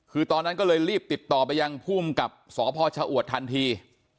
คือตอนนั้นก็เลยรีบติดต่อไปยังภูมิกับสพชะอวดทันที